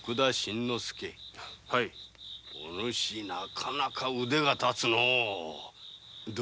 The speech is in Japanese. お主なかなか腕が立つのぅ。